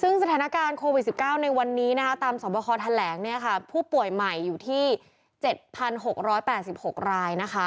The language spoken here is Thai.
ซึ่งสถานการณ์โควิด๑๙ในวันนี้ตามสวบคอแถลงผู้ป่วยใหม่อยู่ที่๗๖๘๖รายนะคะ